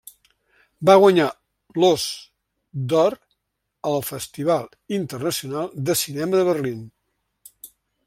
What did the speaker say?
Va guanyar l'Ós d'Or al Festival Internacional de Cinema de Berlín.